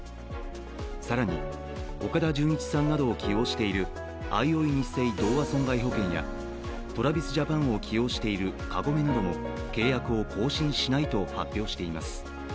更に、岡田准一さんなどを起用しているあいおいニッセイ同和損害保険やＴｒａｖｉｓＪａｐａｎを起用しているカゴメなども契約を更新しないと発表しています。